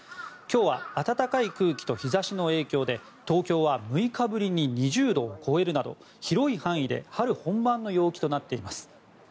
今日は暖かい空気と日差しの影響で東京は６日ぶりに２０度を超えるなど広い範囲で春本番の陽気となっています。